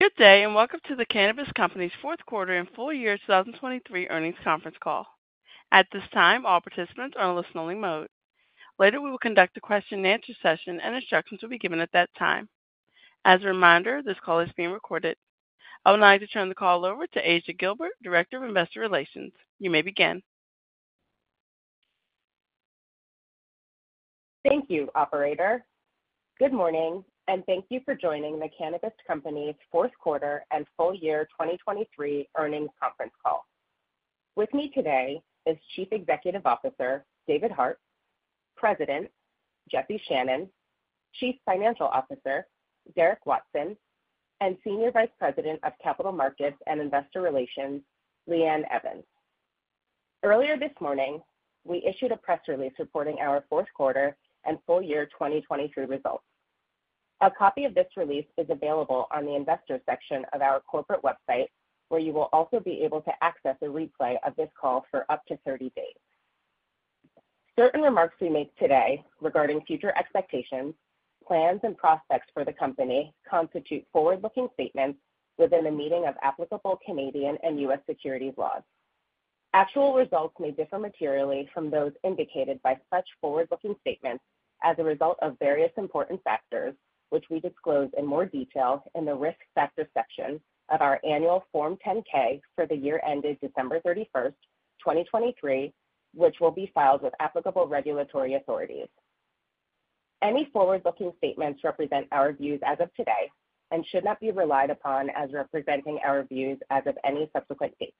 Good day and welcome to The Cannabist Company's fourth quarter and full year 2023 earnings conference call. At this time, all participants are in listen-only mode. Later, we will conduct a question-and-answer session and instructions will be given at that time. As a reminder, this call is being recorded. I would like to turn the call over to Asia Gilbert, Director of Investor Relations. You may begin. Thank you, operator. Good morning and thank you for joining The Cannabist Company's fourth quarter and full year 2023 earnings conference call. With me today is Chief Executive Officer David Hart, President Jesse Channon, Chief Financial Officer Derek Watson, and Senior Vice President of Capital Markets and Investor Relations Lee Ann Evans. Earlier this morning, we issued a press release reporting our fourth quarter and full year 2023 results. A copy of this release is available on the Investor section of our corporate website, where you will also be able to access a replay of this call for up to 30 days. Certain remarks we make today regarding future expectations, plans, and prospects for the company constitute forward-looking statements within the meaning of applicable Canadian and U.S. securities laws. Actual results may differ materially from those indicated by such forward-looking statements as a result of various important factors, which we disclose in more detail in the Risk Factors section of our annual Form 10-K for the year ended December 31st, 2023, which will be filed with applicable regulatory authorities. Any forward-looking statements represent our views as of today and should not be relied upon as representing our views as of any subsequent date.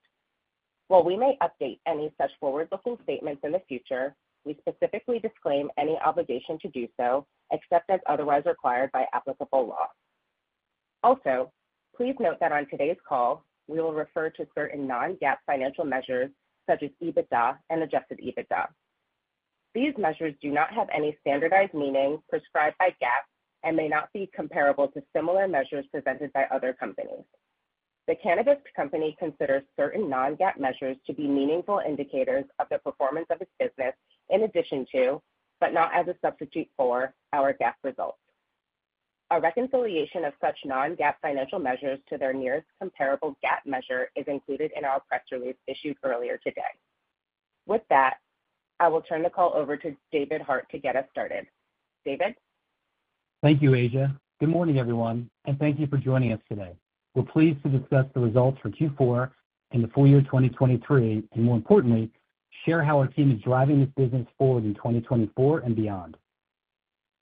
While we may update any such forward-looking statements in the future, we specifically disclaim any obligation to do so except as otherwise required by applicable law. Also, please note that on today's call, we will refer to certain non-GAAP financial measures such as EBITDA and Adjusted EBITDA. These measures do not have any standardized meaning prescribed by GAAP and may not be comparable to similar measures presented by other companies. The Cannabist Company considers certain non-GAAP measures to be meaningful indicators of the performance of its business in addition to, but not as a substitute for, our GAAP results. A reconciliation of such non-GAAP financial measures to their nearest comparable GAAP measure is included in our press release issued earlier today. With that, I will turn the call over to David Hart to get us started. David? Thank you, Asia. Good morning, everyone, and thank you for joining us today. We're pleased to discuss the results for Q4 and the full year 2023 and, more importantly, share how our team is driving this business forward in 2024 and beyond.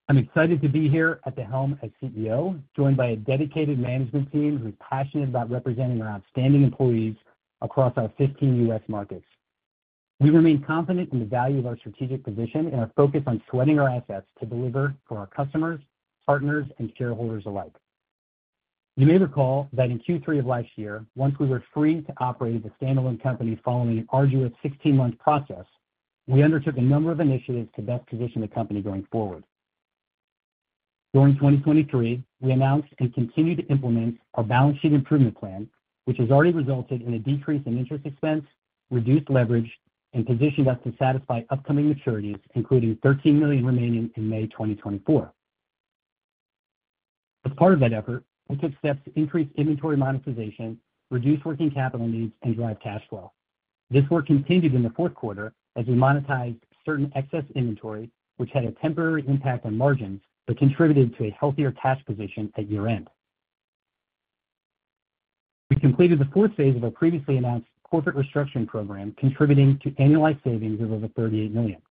I'm excited to be here at the helm as CEO, joined by a dedicated management team who's passionate about representing our outstanding employees across our 15 U.S. markets. We remain confident in the value of our strategic position and our focus on sweating our assets to deliver for our customers, partners, and shareholders alike. You may recall that in Q3 of last year, once we were free to operate as a standalone company following an arduous 16-month process, we undertook a number of initiatives to best position the company going forward. During 2023, we announced and continued to implement our balance sheet improvement plan, which has already resulted in a decrease in interest expense, reduced leverage, and positioned us to satisfy upcoming maturities, including $13 million remaining in May 2024. As part of that effort, we took steps to increase inventory monetization, reduce working capital needs, and drive cash flow. This work continued in the fourth quarter as we monetized certain excess inventory, which had a temporary impact on margins but contributed to a healthier cash position at year-end. We completed the fourth phase of our previously announced corporate restructuring program, contributing to annualized savings of over $38 million.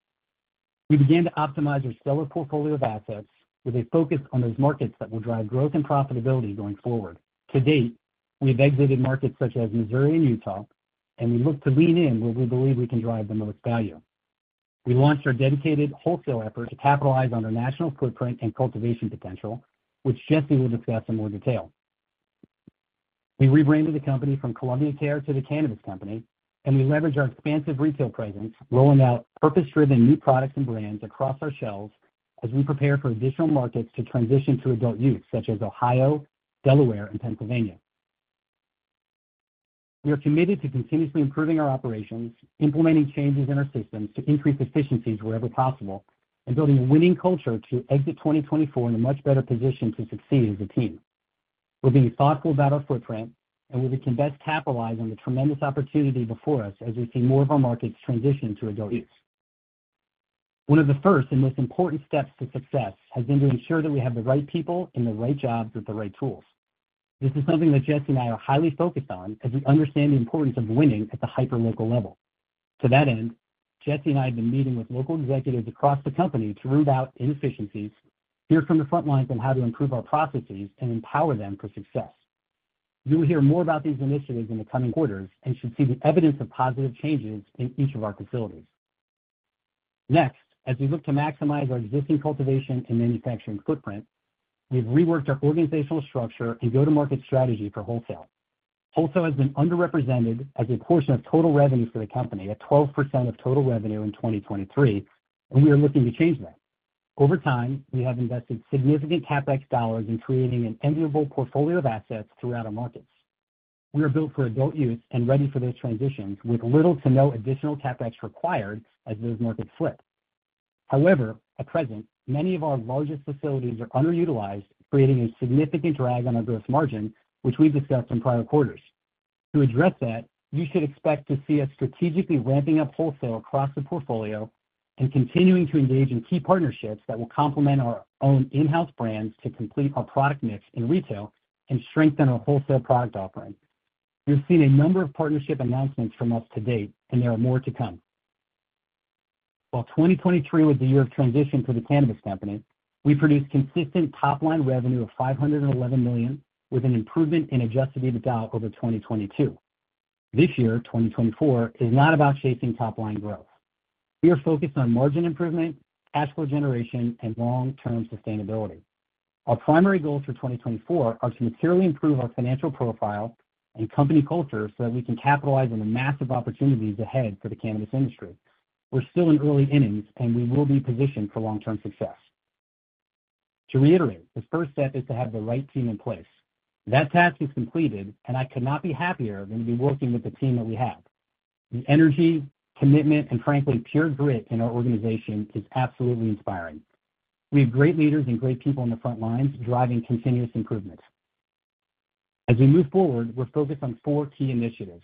We began to optimize our solar portfolio of assets with a focus on those markets that will drive growth and profitability going forward. To date, we have exited markets such as Missouri and Utah, and we look to lean in where we believe we can drive the most value. We launched our dedicated wholesale effort to capitalize on our national footprint and cultivation potential, which Jesse will discuss in more detail. We rebranded the company from Columbia Care to The Cannabist Company, and we leverage our expansive retail presence, rolling out purpose-driven new products and brands across our shelves as we prepare for additional markets to transition to adult use such as Ohio, Delaware, and Pennsylvania. We are committed to continuously improving our operations, implementing changes in our systems to increase efficiencies wherever possible, and building a winning culture to exit 2024 in a much better position to succeed as a team. We're being thoughtful about our footprint, and we can best capitalize on the tremendous opportunity before us as we see more of our markets transition to adult-use. One of the first and most important steps to success has been to ensure that we have the right people in the right jobs with the right tools. This is something that Jesse and I are highly focused on as we understand the importance of winning at the hyperlocal level. To that end, Jesse and I have been meeting with local executives across the company to root out inefficiencies, hear from the front lines on how to improve our processes, and empower them for success. You will hear more about these initiatives in the coming quarters and should see the evidence of positive changes in each of our facilities. Next, as we look to maximize our existing cultivation and manufacturing footprint, we've reworked our organizational structure and go-to-market strategy for wholesale. Wholesale has been underrepresented as a portion of total revenue for the company, at 12% of total revenue in 2023, and we are looking to change that. Over time, we have invested significant CapEx dollars in creating an enviable portfolio of assets throughout our markets. We are built for adult-use and ready for those transitions with little to no additional CapEx required as those markets flip. However, at present, many of our largest facilities are underutilized, creating a significant drag on our gross margin, which we've discussed in prior quarters. To address that, you should expect to see us strategically ramping up wholesale across the portfolio and continuing to engage in key partnerships that will complement our own in-house brands to complete our product mix in retail and strengthen our wholesale product offering. You've seen a number of partnership announcements from us to date, and there are more to come. While 2023 was the year of transition for The Cannabist Company, we produced consistent top-line revenue of $511 million with an improvement in adjusted EBITDA over 2022. This year, 2024, is not about chasing top-line growth. We are focused on margin improvement, cash flow generation, and long-term sustainability. Our primary goals for 2024 are to materially improve our financial profile and company culture so that we can capitalize on the massive opportunities ahead for the cannabis industry. We're still in early innings, and we will be positioned for long-term success. To reiterate, the first step is to have the right team in place. That task is completed, and I could not be happier than to be working with the team that we have. The energy, commitment, and frankly, pure grit in our organization is absolutely inspiring. We have great leaders and great people in the front lines driving continuous improvement. As we move forward, we're focused on four key initiatives.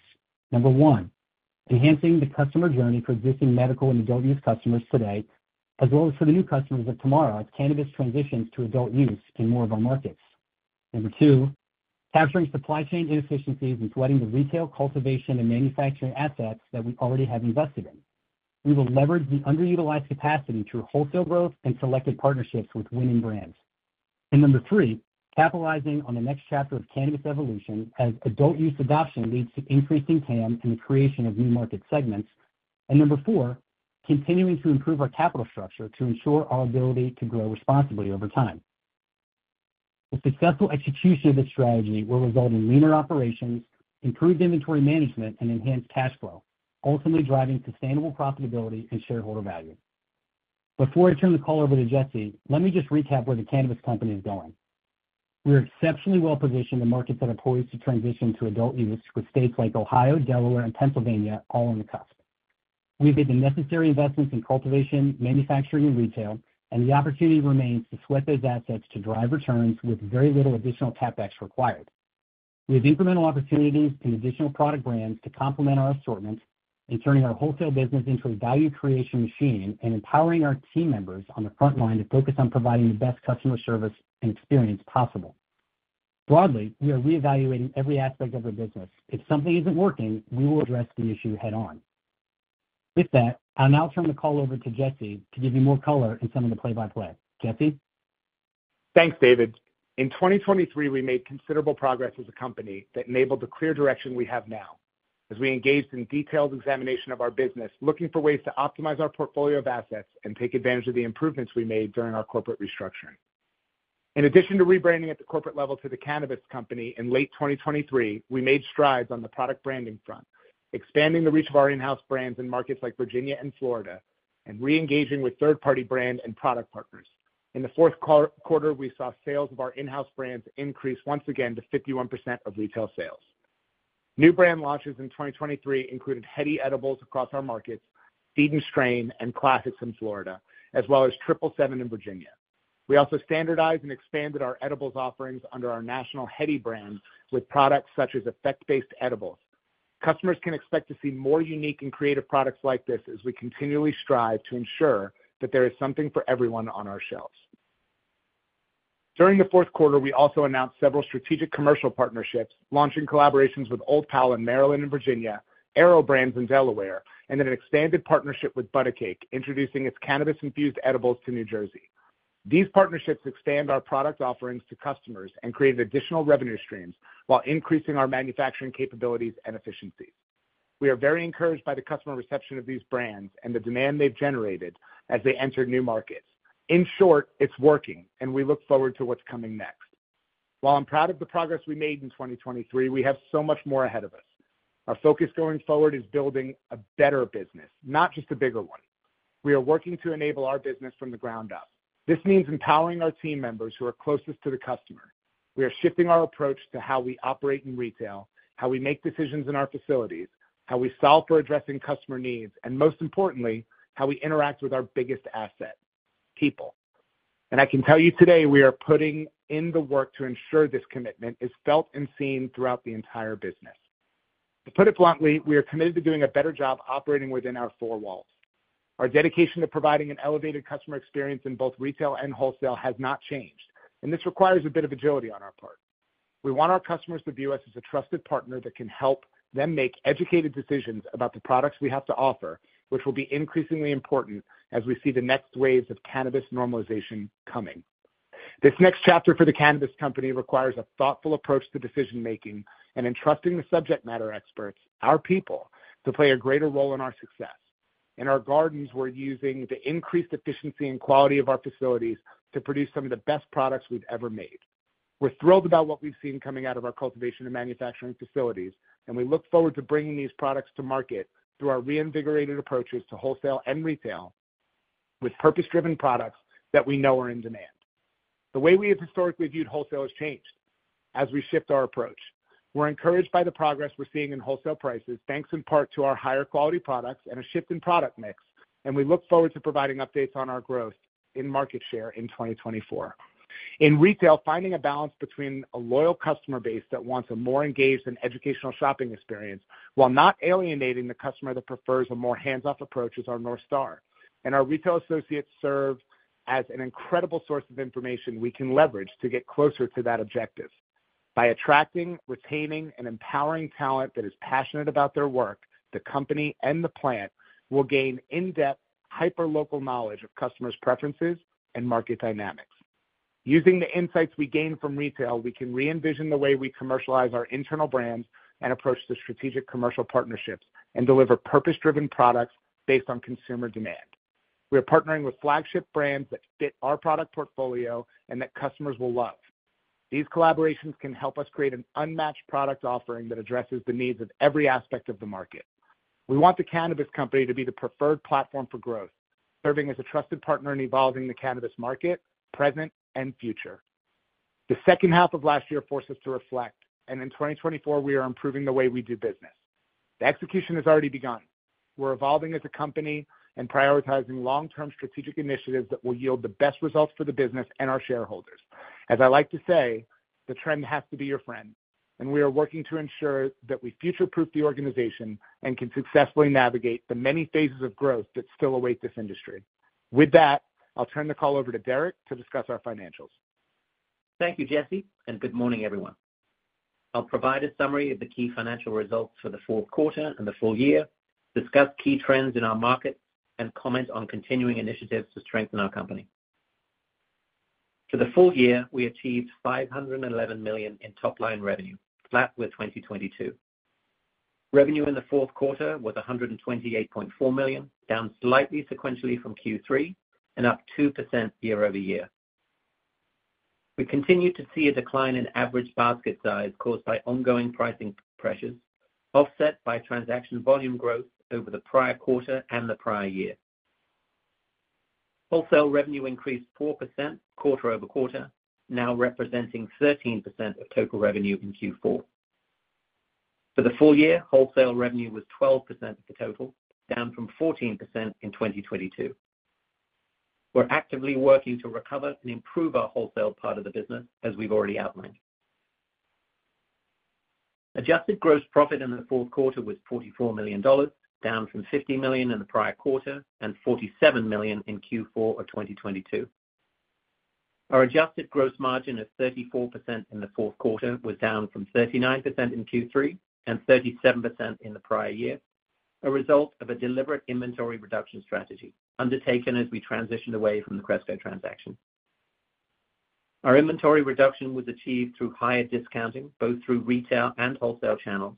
Number one, enhancing the customer journey for existing medical and adult-use customers today, as well as for the new customers of tomorrow as cannabis transitions to adult-use in more of our markets. Number two, capturing supply chain inefficiencies and sweating the retail, cultivation, and manufacturing assets that we already have invested in. We will leverage the underutilized capacity through wholesale growth and selected partnerships with winning brands. And number three, capitalizing on the next chapter of cannabis evolution as adult-use adoption leads to increasing TAM and the creation of new market segments. And number four, continuing to improve our capital structure to ensure our ability to grow responsibly over time. The successful execution of this strategy will result in leaner operations, improved inventory management, and enhanced cash flow, ultimately driving sustainable profitability and shareholder value. Before I turn the call over to Jesse, let me just recap where The Cannabist Company is going. We are exceptionally well-positioned in markets that are poised to transition to adult-use with states like Ohio, Delaware, and Pennsylvania all on the cusp. We've made the necessary investments in cultivation, manufacturing, and retail, and the opportunity remains to sweat those assets to drive returns with very little additional CapEx required. We have incremental opportunities and additional product brands to complement our assortment in turning our wholesale business into a value creation machine and empowering our team members on the front line to focus on providing the best customer service and experience possible. Broadly, we are reevaluating every aspect of our business. If something isn't working, we will address the issue head-on. With that, I'll now turn the call over to Jesse to give you more color in some of the play-by-play. Jesse? Thanks, David. In 2023, we made considerable progress as a company that enabled the clear direction we have now as we engaged in detailed examination of our business, looking for ways to optimize our portfolio of assets and take advantage of the improvements we made during our corporate restructuring. In addition to rebranding at the corporate level to The Cannabist Company in late 2023, we made strides on the product branding front, expanding the reach of our in-house brands in markets like Virginia and Florida, and reengaging with third-party brand and product partners. In the fourth quarter, we saw sales of our in-house brands increase once again to 51% of retail sales. New brand launches in 2023 included Hedy Edibles across our markets, Seed & Strain and Classix in Florida, as well as Triple Seven in Virginia. We also standardized and expanded our edibles offerings under our national Hedy brand with products such as effect-based edibles. Customers can expect to see more unique and creative products like this as we continually strive to ensure that there is something for everyone on our shelves. During the fourth quarter, we also announced several strategic commercial partnerships, launching collaborations with Old Pal in Maryland and Virginia, Airo Brands in Delaware, and an expanded partnership with ButACake, introducing its cannabis-infused edibles to New Jersey. These partnerships expand our product offerings to customers and create additional revenue streams while increasing our manufacturing capabilities and efficiencies. We are very encouraged by the customer reception of these brands and the demand they've generated as they enter new markets. In short, it's working, and we look forward to what's coming next. While I'm proud of the progress we made in 2023, we have so much more ahead of us. Our focus going forward is building a better business, not just a bigger one. We are working to enable our business from the ground up. This means empowering our team members who are closest to the customer. We are shifting our approach to how we operate in retail, how we make decisions in our facilities, how we solve for addressing customer needs, and most importantly, how we interact with our biggest asset: people. I can tell you today, we are putting in the work to ensure this commitment is felt and seen throughout the entire business. To put it bluntly, we are committed to doing a better job operating within our four walls. Our dedication to providing an elevated customer experience in both retail and wholesale has not changed, and this requires a bit of agility on our part. We want our customers to view us as a trusted partner that can help them make educated decisions about the products we have to offer, which will be increasingly important as we see the next waves of cannabis normalization coming. This next chapter for The Cannabist Company requires a thoughtful approach to decision-making and entrusting the subject matter experts, our people, to play a greater role in our success. In our gardens, we're using the increased efficiency and quality of our facilities to produce some of the best products we've ever made. We're thrilled about what we've seen coming out of our cultivation and manufacturing facilities, and we look forward to bringing these products to market through our reinvigorated approaches to wholesale and retail with purpose-driven products that we know are in demand. The way we have historically viewed wholesale has changed as we shift our approach. We're encouraged by the progress we're seeing in wholesale prices, thanks in part to our higher quality products and a shift in product mix, and we look forward to providing updates on our growth in market share in 2024. In retail, finding a balance between a loyal customer base that wants a more engaged and educational shopping experience while not alienating the customer that prefers a more hands-off approach is our North Star, and our retail associates serve as an incredible source of information we can leverage to get closer to that objective. By attracting, retaining, and empowering talent that is passionate about their work, the company and the plant will gain in-depth hyperlocal knowledge of customers' preferences and market dynamics. Using the insights we gain from retail, we can re-envision the way we commercialize our internal brands and approach the strategic commercial partnerships and deliver purpose-driven products based on consumer demand. We are partnering with flagship brands that fit our product portfolio and that customers will love. These collaborations can help us create an unmatched product offering that addresses the needs of every aspect of the market. We want The Cannabist Company to be the preferred platform for growth, serving as a trusted partner in evolving the cannabis market, present, and future. The second half of last year forced us to reflect, and in 2024, we are improving the way we do business. The execution has already begun. We're evolving as a company and prioritizing long-term strategic initiatives that will yield the best results for the business and our shareholders. As I like to say, the trend has to be your friend, and we are working to ensure that we future-proof the organization and can successfully navigate the many phases of growth that still await this industry. With that, I'll turn the call over to Derek to discuss our financials. Thank you, Jesse, and good morning, everyone. I'll provide a summary of the key financial results for the fourth quarter and the full year, discuss key trends in our markets, and comment on continuing initiatives to strengthen our company. For the full year, we achieved $511 million in top-line revenue, flat with 2022. Revenue in the fourth quarter was $128.4 million, down slightly sequentially from Q3 and up 2% year-over-year. We continue to see a decline in average basket size caused by ongoing pricing pressures, offset by transaction volume growth over the prior quarter and the prior year. Wholesale revenue increased 4% quarter-over-quarter, now representing 13% of total revenue in Q4. For the full year, wholesale revenue was 12% of the total, down from 14% in 2022. We're actively working to recover and improve our wholesale part of the business, as we've already outlined. Adjusted gross profit in the fourth quarter was $44 million, down from $50 million in the prior quarter and $47 million in Q4 of 2022. Our adjusted gross margin of 34% in the fourth quarter was down from 39% in Q3 and 37% in the prior year, a result of a deliberate inventory reduction strategy undertaken as we transitioned away from the Cresco transaction. Our inventory reduction was achieved through higher discounting, both through retail and wholesale channels,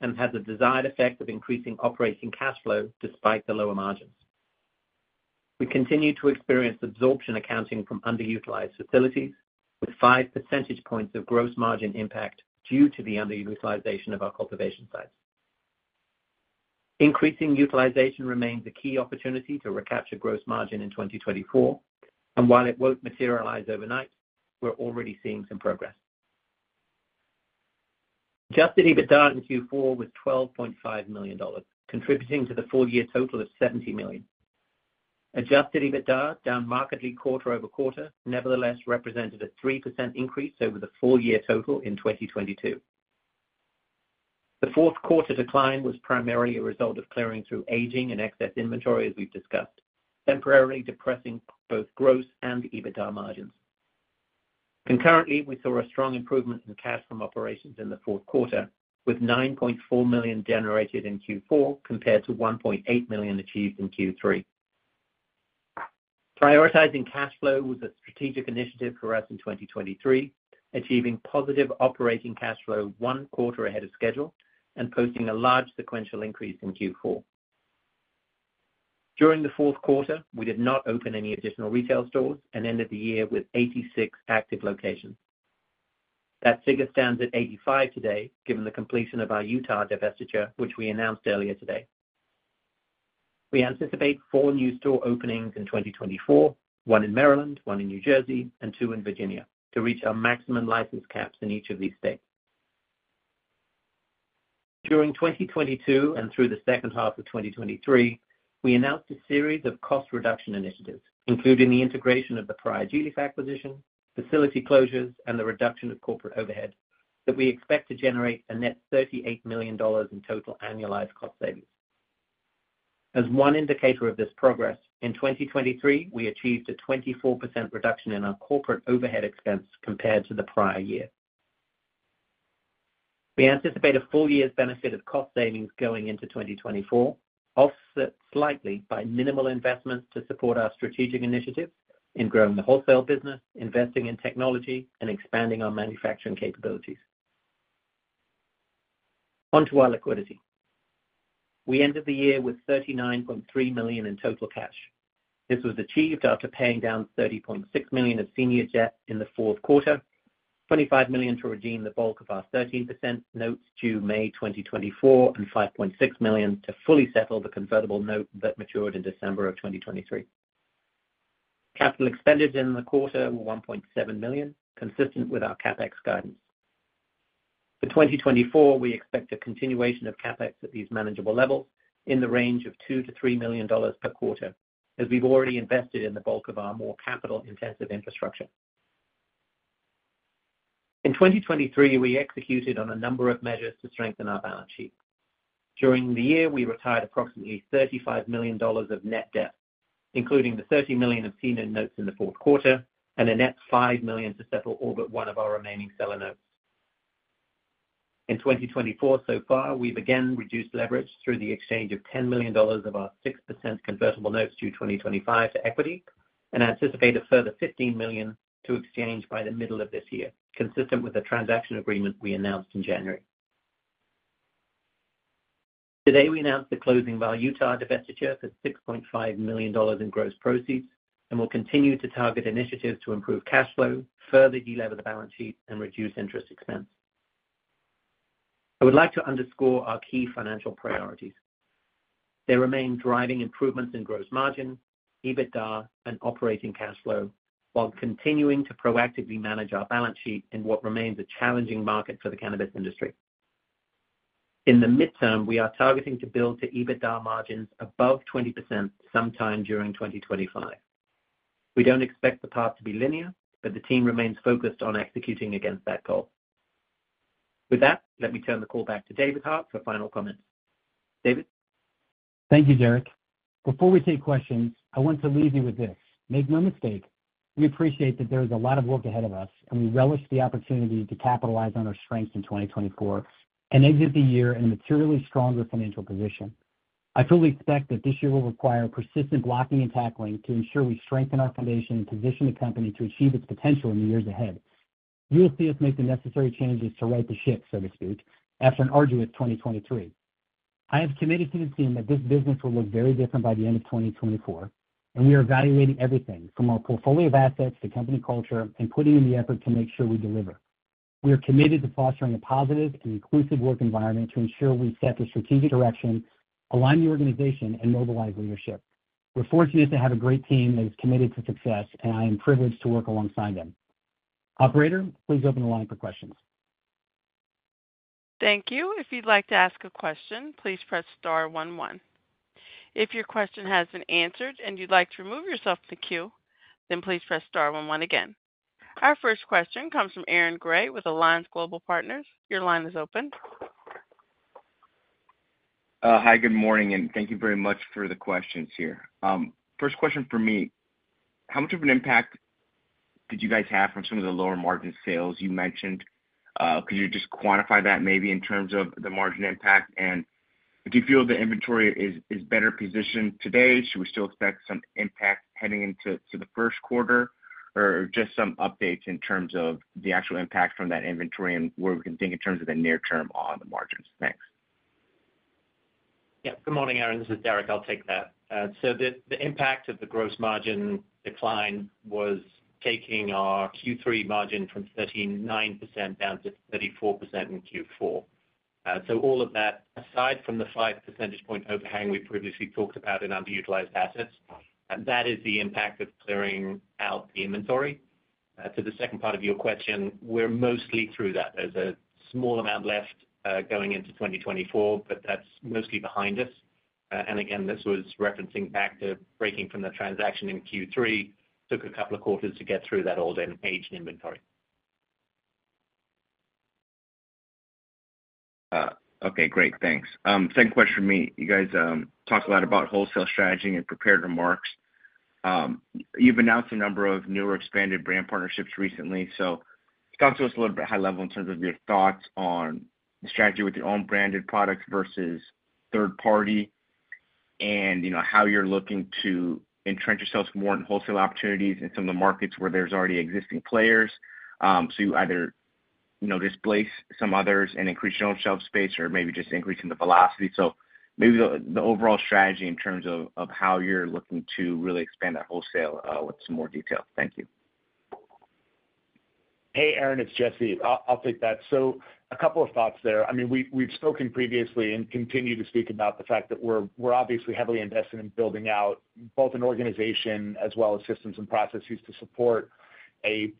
and had the desired effect of increasing operating cash flow despite the lower margins. We continue to experience absorption accounting from underutilized facilities with 5 percentage points of gross margin impact due to the underutilization of our cultivation sites. Increasing utilization remains a key opportunity to recapture gross margin in 2024, and while it won't materialize overnight, we're already seeing some progress. Adjusted EBITDA in Q4 was $12.5 million, contributing to the full year total of $70 million. Adjusted EBITDA, down markedly quarter-over-quarter, nevertheless represented a 3% increase over the full year total in 2022. The fourth quarter decline was primarily a result of clearing through aging and excess inventory, as we've discussed, temporarily depressing both gross and EBITDA margins. Concurrently, we saw a strong improvement in cash from operations in the fourth quarter, with $9.4 million generated in Q4 compared to $1.8 million achieved in Q3. Prioritizing cash flow was a strategic initiative for us in 2023, achieving positive operating cash flow one quarter ahead of schedule and posting a large sequential increase in Q4. During the fourth quarter, we did not open any additional retail stores and ended the year with 86 active locations. That figure stands at 85 today, given the completion of our Utah divestiture, which we announced earlier today. We anticipate four new store openings in 2024, 1 in Maryland, 1 in New Jersey, and 2 in Virginia, to reach our maximum license caps in each of these states. During 2022 and through the second half of 2023, we announced a series of cost reduction initiatives, including the integration of the prior gLeaf acquisition, facility closures, and the reduction of corporate overhead, that we expect to generate a net $38 million in total annualized cost savings. As one indicator of this progress, in 2023, we achieved a 24% reduction in our corporate overhead expense compared to the prior year. We anticipate a full year's benefit of cost savings going into 2024, offset slightly by minimal investments to support our strategic initiatives in growing the wholesale business, investing in technology, and expanding our manufacturing capabilities. Onto our liquidity. We ended the year with $39.3 million in total cash. This was achieved after paying down $30.6 million of senior debt in the fourth quarter, $25 million to redeem the bulk of our 13% notes due May 2024, and $5.6 million to fully settle the convertible note that matured in December of 2023. Capital expenditure in the quarter was $1.7 million, consistent with our CapEx guidance. For 2024, we expect a continuation of CapEx at these manageable levels in the range of $2-$3 million per quarter, as we've already invested in the bulk of our more capital-intensive infrastructure. In 2023, we executed on a number of measures to strengthen our balance sheet. During the year, we retired approximately $35 million of net debt, including the $30 million of senior notes in the fourth quarter and a net $5 million to settle all but one of our remaining seller notes. In 2024 so far, we've again reduced leverage through the exchange of $10 million of our 6% convertible notes due 2025 to equity and anticipate a further $15 million to exchange by the middle of this year, consistent with the transaction agreement we announced in January. Today, we announced the closing of our Utah divestiture for $6.5 million in gross proceeds and will continue to target initiatives to improve cash flow, further delever the balance sheet, and reduce interest expense. I would like to underscore our key financial priorities. They remain driving improvements in gross margin, EBITDA, and operating cash flow while continuing to proactively manage our balance sheet in what remains a challenging market for the cannabis industry. In the midterm, we are targeting to build to EBITDA margins above 20% sometime during 2025. We don't expect the path to be linear, but the team remains focused on executing against that goal. With that, let me turn the call back to David Hart for final comments. David? Thank you, Derek. Before we take questions, I want to leave you with this: make no mistake, we appreciate that there is a lot of work ahead of us, and we relish the opportunity to capitalize on our strengths in 2024 and exit the year in a materially stronger financial position. I fully expect that this year will require persistent blocking and tackling to ensure we strengthen our foundation and position the company to achieve its potential in the years ahead. You will see us make the necessary changes to right the ship, so to speak, after an arduous 2023. I have committed to the team that this business will look very different by the end of 2024, and we are evaluating everything from our portfolio of assets to company culture and putting in the effort to make sure we deliver. We are committed to fostering a positive and inclusive work environment to ensure we set the strategic direction, align the organization, and mobilize leadership. We're fortunate to have a great team that is committed to success, and I am privileged to work alongside them. Operator, please open the line for questions. Thank you. If you'd like to ask a question, please press star one one If your question has been answered and you'd like to remove yourself from the queue, then please press star one one again. Our first question comes from Aaron Grey with Alliance Global Partners. Your line is open. Hi, good morning, and thank you very much for the questions here. First question for me: how much of an impact did you guys have from some of the lower margin sales you mentioned? Could you just quantify that maybe in terms of the margin impact? And do you feel the inventory is better positioned today? Should we still expect some impact heading into the first quarter, or just some updates in terms of the actual impact from that inventory and where we can think in terms of the near term on the margins? Thanks. Yeah, good morning, Aaron. This is Derek. I'll take that. So the impact of the gross margin decline was taking our Q3 margin from 39% down to 34% in Q4. So all of that, aside from the 5 percentage point overhang we previously talked about in underutilized assets, that is the impact of clearing out the inventory. To the second part of your question, we're mostly through that. There's a small amount left going into 2024, but that's mostly behind us. And again, this was referencing back to breaking from the transaction in Q3. Took a couple of quarters to get through that old and aged inventory. Okay, great. Thanks. Second question from me. You guys talked a lot about wholesale strategy and prepared remarks. You've announced a number of newer expanded brand partnerships recently, so talk to us a little bit high-level in terms of your thoughts on the strategy with your own branded products versus third-party and how you're looking to entrench yourselves more in wholesale opportunities in some of the markets where there's already existing players. So you either displace some others and increase your own shelf space or maybe just increasing the velocity. So maybe the overall strategy in terms of how you're looking to really expand that wholesale with some more detail. Thank you. Hey, Aaron. It's Jesse. I'll take that. A couple of thoughts there. I mean, we've spoken previously and continue to speak about the fact that we're obviously heavily invested in building out both an organization as well as systems and processes to support a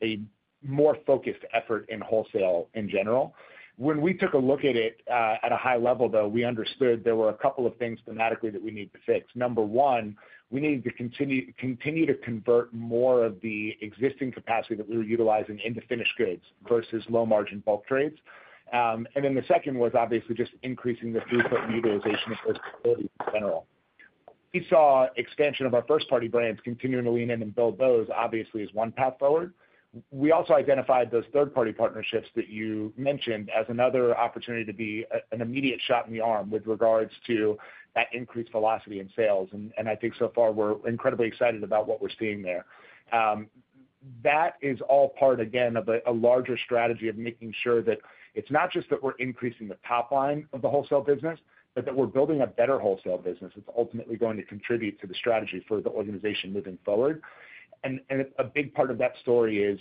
more focused effort in wholesale in general. When we took a look at it at a high level, though, we understood there were a couple of things thematically that we needed to fix. Number one, we needed to continue to convert more of the existing capacity that we were utilizing into finished goods versus low-margin bulk trades. And then the second was obviously just increasing the throughput and utilization of those facilities in general. We saw expansion of our first-party brands continuing to lean in and build those, obviously, as one path forward. We also identified those third-party partnerships that you mentioned as another opportunity to be an immediate shot in the arm with regards to that increased velocity in sales. I think so far we're incredibly excited about what we're seeing there. That is all part, again, of a larger strategy of making sure that it's not just that we're increasing the top line of the wholesale business, but that we're building a better wholesale business that's ultimately going to contribute to the strategy for the organization moving forward. A big part of that story is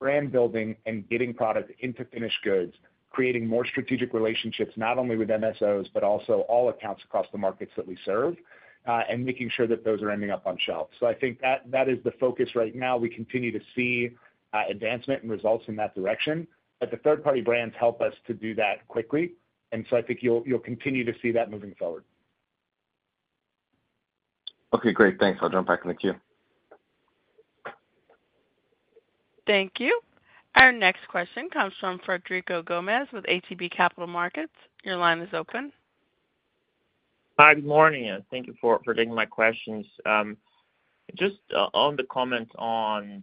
brand building and getting product into finished goods, creating more strategic relationships not only with MSOs but also all accounts across the markets that we serve, and making sure that those are ending up on shelves. I think that is the focus right now. We continue to see advancement and results in that direction, but the third-party brands help us to do that quickly. And so I think you'll continue to see that moving forward. Okay, great. Thanks. I'll jump back in the queue. Thank you. Our next question comes from Frederico Gomes with ATB Capital Markets. Your line is open. Hi, good morning. Thank you for taking my questions. Just on the comment on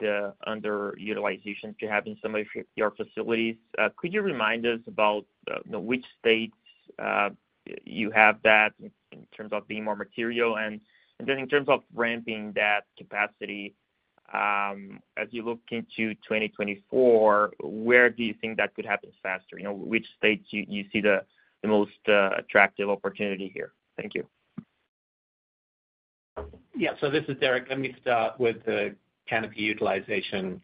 the underutilizations you're having in some of your facilities, could you remind us about which states you have that in terms of being more material? Then in terms of ramping that capacity, as you look into 2024, where do you think that could happen faster? Which states you see the most attractive opportunity here? Thank you. Yeah, so this is Derek. Let me start with the canopy utilization.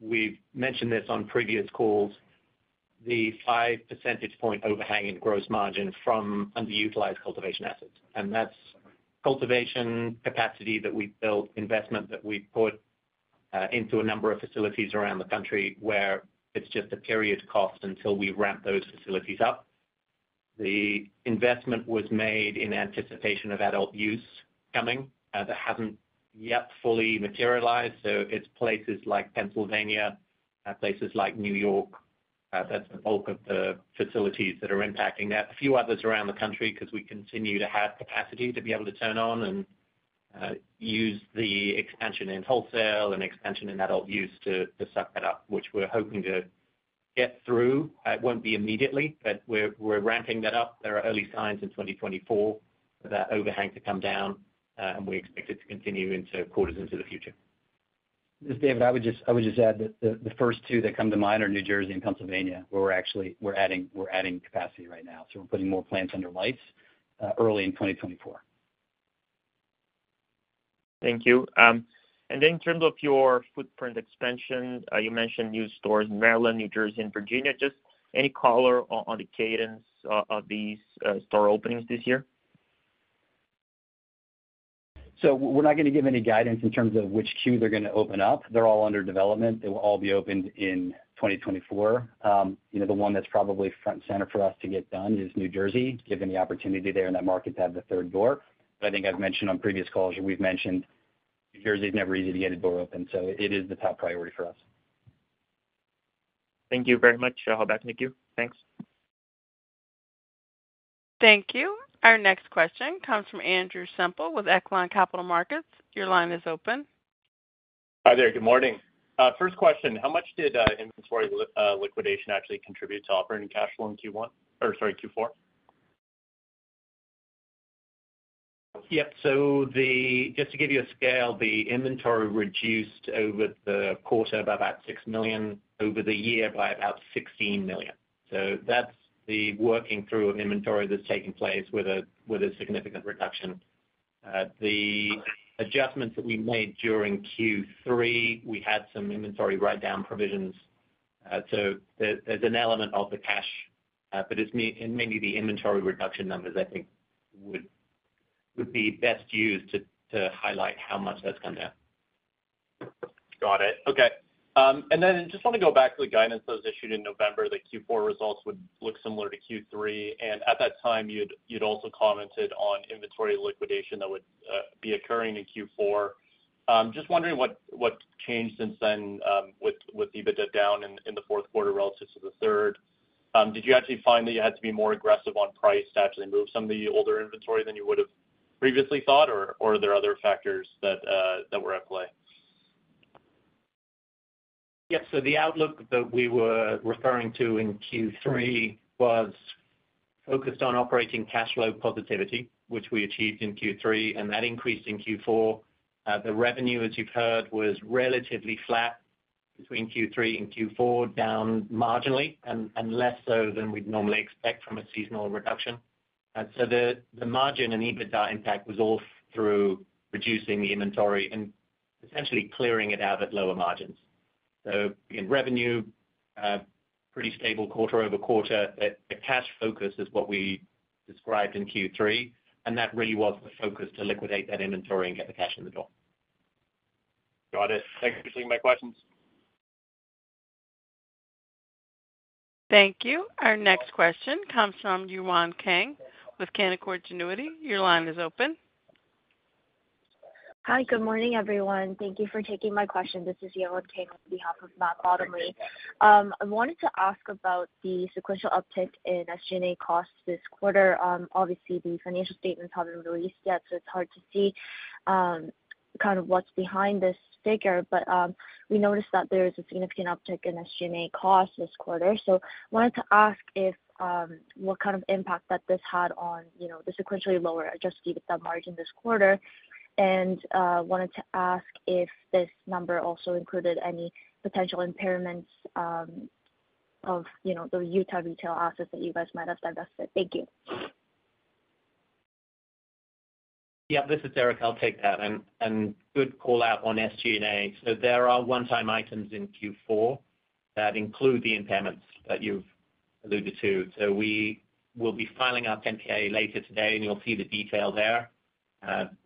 We've mentioned this on previous calls, the 5 percentage point overhang in gross margin from underutilized cultivation assets. That's cultivation capacity that we've built, investment that we've put into a number of facilities around the country where it's just a period cost until we ramp those facilities up. The investment was made in anticipation of adult use coming that hasn't yet fully materialized. So it's places like Pennsylvania, places like New York. That's the bulk of the facilities that are impacting that. A few others around the country because we continue to have capacity to be able to turn on and use the expansion in wholesale and expansion in adult use to suck that up, which we're hoping to get through. It won't be immediately, but we're ramping that up. There are early signs in 2024 for that overhang to come down, and we expect it to continue into quarters into the future. This is David. I would just add that the first two that come to mind are New Jersey and Pennsylvania, where we're adding capacity right now. So we're putting more plants under lights early in 2024. Thank you. And then in terms of your footprint expansion, you mentioned new stores in Maryland, New Jersey, and Virginia. Just any color on the cadence of these store openings this year? So we're not going to give any guidance in terms of which queue they're going to open up. They're all under development. They will all be opened in 2024. The one that's probably front and center for us to get done is New Jersey, given the opportunity there in that market to have the third door. But I think I've mentioned on previous calls, we've mentioned New Jersey is never easy to get a door open. So it is the top priority for us. Thank you very much. I'll hold back in the queue. Thanks. Thank you. Our next question comes from Andrew Semple with Echelon Capital Markets. Your line is open. Hi there. Good morning. First question, how much did inventory liquidation actually contribute to operating cash flow in Q1 or sorry, Q4? Yep. So just to give you a scale, the inventory reduced over the quarter by about $6 million, over the year by about $16 million. So that's the working through of inventory that's taking place with a significant reduction. The adjustments that we made during Q3, we had some inventory write-down provisions. So there's an element of the cash, but it's mainly the inventory reduction numbers, I think, would be best used to highlight how much that's come down. Got it. Okay. And then just want to go back to the guidance that was issued in November. The Q4 results would look similar to Q3. And at that time, you'd also commented on inventory liquidation that would be occurring in Q4. Just wondering what changed since then with EBITDA down in the fourth quarter relative to the third. Did you actually find that you had to be more aggressive on price to actually move some of the older inventory than you would have previously thought, or are there other factors that were at play? Yep. So the outlook that we were referring to in Q3 was focused on operating cash flow positivity, which we achieved in Q3, and that increased in Q4. The revenue, as you've heard, was relatively flat between Q3 and Q4, down marginally and less so than we'd normally expect from a seasonal reduction. So the margin and EBITDA impact was all through reducing the inventory and essentially clearing it out at lower margins. So again, revenue, pretty stable quarter over quarter. The cash focus is what we described in Q3, and that really was the focus to liquidate that inventory and get the cash in the door. Got it. Thanks for taking my questions. Thank you. Our next question comes from Yewon Kang with Canaccord Genuity. Your line is open. Hi, good morning, everyone. Thank you for taking my question. This is Yewon Kang on behalf of Matt Bottomley. I wanted to ask about the sequential uptick in SG&A costs this quarter. Obviously, the financial statements haven't released yet, so it's hard to see kind of what's behind this figure. But we noticed that there is a significant uptick in SG&A costs this quarter. So I wanted to ask what kind of impact that this had on the sequentially lower Adjusted EBITDA margin this quarter, and wanted to ask if this number also included any potential impairments of the Utah retail assets that you guys might have divested. Thank you. Yeah, this is Derek. I'll take that. And good call out on SG&A. So there are one-time items in Q4 that include the impairments that you've alluded to. So we will be filing our 10-K later today, and you'll see the detail there.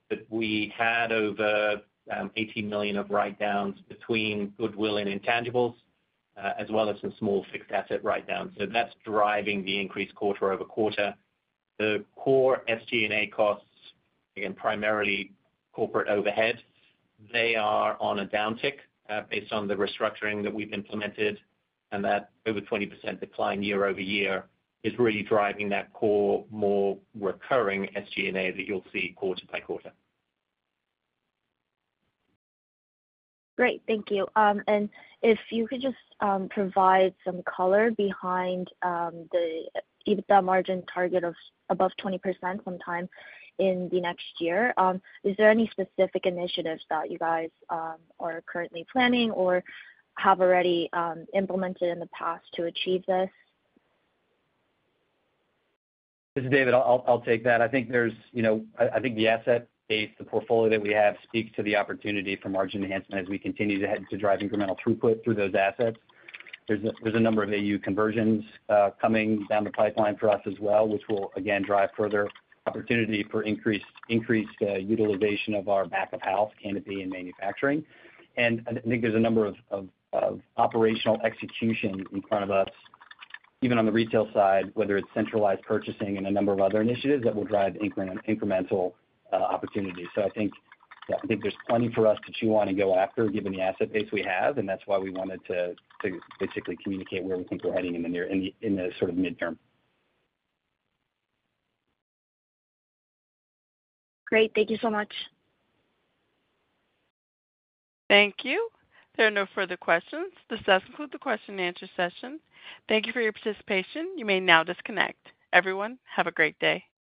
But we had over $18 million of write-downs between goodwill and intangibles, as well as some small fixed asset write-downs. So that's driving the increase quarter-over-quarter. The core SG&A costs, again, primarily corporate overhead, they are on a downtick based on the restructuring that we've implemented. And that over 20% decline year-over-year is really driving that core more recurring SG&A that you'll see quarter by quarter. Great. Thank you. If you could just provide some color behind the EBITDA margin target of above 20% sometime in the next year, is there any specific initiatives that you guys are currently planning or have already implemented in the past to achieve this? This is David. I'll take that. I think the asset base, the portfolio that we have, speaks to the opportunity for margin enhancement as we continue to drive incremental throughput through those assets. There's a number of AU conversions coming down the pipeline for us as well, which will, again, drive further opportunity for increased utilization of our back-of-house, canopy, and manufacturing. And I think there's a number of operational execution in front of us, even on the retail side, whether it's centralized purchasing and a number of other initiatives that will drive incremental opportunity. So I think there's plenty for us to chew on and go after, given the asset base we have. And that's why we wanted to basically communicate where we think we're heading in the sort of midterm. Great. Thank you so much. Thank you. There are no further questions. This does conclude the question-and-answer session. Thank you for your participation. You may now disconnect. Everyone, have a great day.